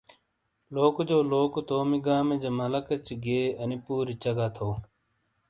لوکو جو لوکو تومی گامی جہ مالہ کچی گئے انی پوری چگا تھو ۔